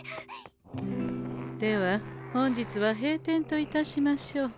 では本日は閉店といたしましょう。